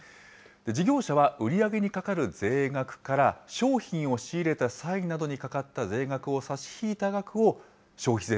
事業者は売り上げにかかる税額から、商品を仕入れた際などにかかった税額を差し引いた額を消費税